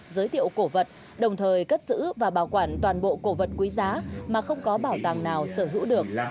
giới thiệu cổ vật đồng thời cất giữ và bảo quản toàn bộ cổ vật quý giá mà không có bảo tàng nào sở hữu được